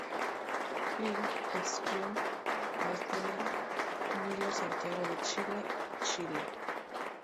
Film screening at Cine Nilo, Santiago de Chile, Chile.